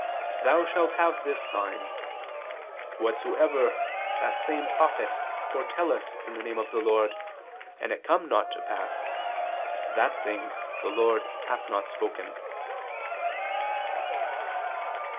Thou shalt have this sign: Whatsoever that same prophet foretelleth in the name of the Lord, and it come not to pass, that thing the Lord hath not spoken."